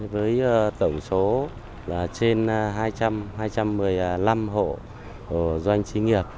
với tổng số là trên hai trăm linh hai trăm một mươi năm hộ doanh trí nghiệp